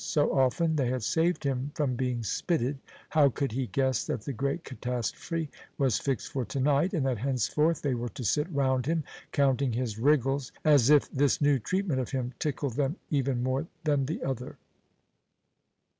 So often they had saved him from being spitted, how could he guess that the great catastrophe was fixed for to night, and that henceforth they were to sit round him counting his wriggles, as if this new treatment of him tickled them even more than the other?